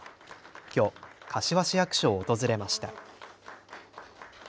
きょう柏市役所を訪れました。